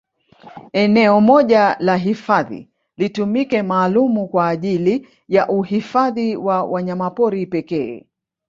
Eneo moja la hifadhi litumike maalumu kwa ajili ya uhifadhi wa wanyamapori pekee